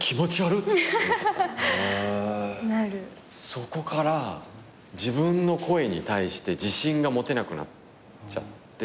そこから自分の声に対して自信が持てなくなっちゃって。